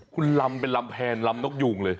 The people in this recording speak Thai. คุณลำเป็นลำแพนลำนกยูงเลย